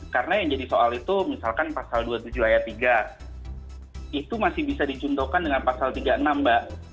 karena yang jadi soal itu misalkan pasal dua puluh tujuh ayat tiga itu masih bisa dicuntuhkan dengan pasal tiga puluh enam mbak